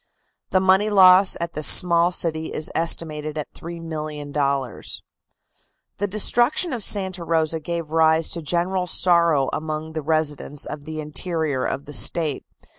The money loss at this small city is estimated at $3,000,000. The destruction of Santa Rosa gave rise to general sorrow among the residents of the interior of the State.